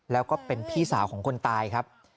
แล้วก็เป็นพี่สาวของคนตายครับ